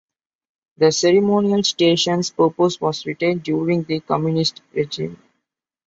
The ceremonial station's purpose was retained during the communist regime.